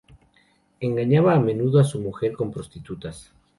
Engañaba a menudo a su mujer con prostitutas.